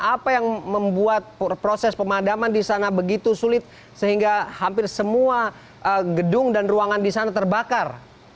apa yang membuat proses pemadaman di sana begitu sulit sehingga hampir semua gedung dan ruangan di sana terbakar